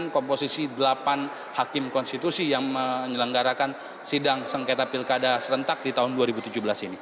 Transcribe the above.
komposisi delapan hakim konstitusi yang menyelenggarakan sidang sengketa pilkada serentak di tahun dua ribu tujuh belas ini